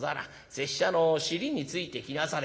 拙者の尻についてきなされ」。